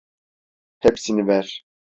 Hepsini ver.